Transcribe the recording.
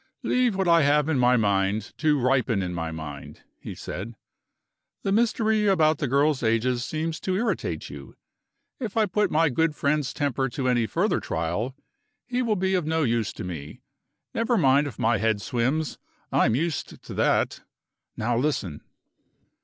"Leave what I have in my mind to ripen in my mind," he said. "The mystery about the girls' ages seems to irritate you. If I put my good friend's temper to any further trial, he will be of no use to me. Never mind if my head swims; I'm used to that. Now listen!"